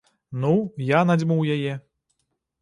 Ну, я надзьмуў яе.